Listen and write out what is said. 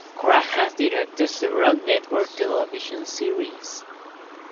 Cragg has directed several network television series.